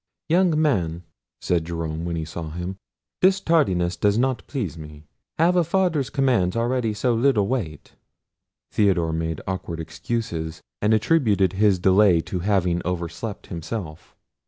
"Young man," said Jerome, when he saw him, "this tardiness does not please me. Have a father's commands already so little weight?" Theodore made awkward excuses, and attributed his delay to having overslept himself.